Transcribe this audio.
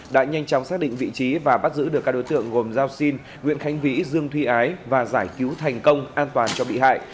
đã nhanh chóng xác định vị trí và bắt giữ được các đối tượng gồm giao xin nguyễn khánh vĩ dương thúy ái và giải cứu thành công an toàn cho bị hại